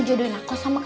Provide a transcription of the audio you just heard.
udah sana masuk